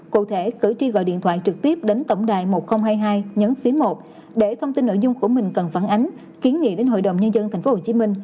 cụ thể cử tri gọi điện thoại trực tiếp đến tổng đài một nghìn hai mươi hai nhấn phía một để thông tin nội dung của mình cần phản ánh kiến nghị đến hội đồng nhân dân tp hcm